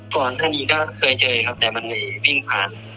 ก่อนท่านดีก็เคยเจอนะครับแต่มันไม่วิ่งพัน